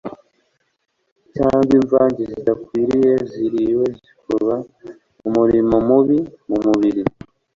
cyangwa imvange zidakwiriye zariwe zikora umurimo mubi mu mubiri